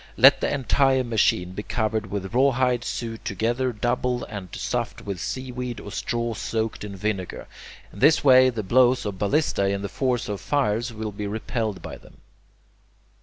Let the entire machine be covered with rawhide sewed together double and stuffed with seaweed or straw soaked in vinegar. In this way the blows of ballistae and the force of fires will be repelled by them.